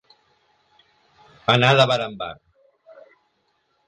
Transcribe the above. Anar de bar en bar.